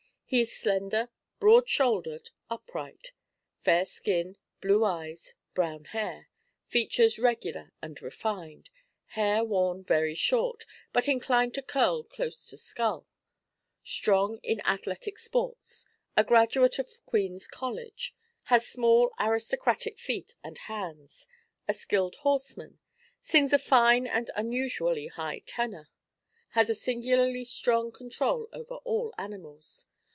He is slender, broad shouldered, upright; fair skin, blue eyes, brown hair; features regular and refined; hair worn very short, but inclined to curl close to skull; strong in athletic sports; a graduate of Queen's College; has small, aristocratic feet and hands; a skilled horseman; sings a fine and unusually high tenor; has a singularly strong control over all animals.